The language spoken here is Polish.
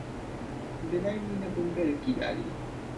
Bynajmniej na bąbelki dali.